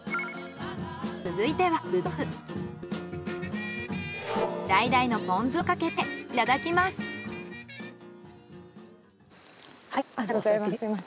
続いてはだいだいのポン酢をかけていただきます。